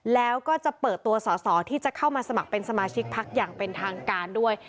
แล้วก็จะเปิดตัวสอสอที่จะเข้ามาสมัครเป็นสมาชิกพักอย่างเป็นทางการด้วย